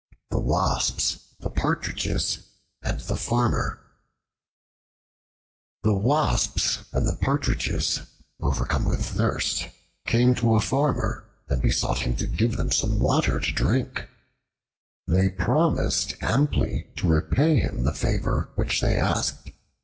The Wasps, the Partridges, and the Farmer THE WASPS and the Partridges, overcome with thirst, came to a Farmer and besought him to give them some water to drink. They promised amply to repay him the favor which they asked.